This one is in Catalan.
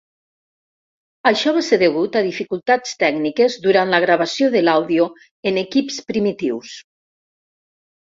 Això va ser degut a dificultats tècniques durant la gravació de l'àudio en equips primitius.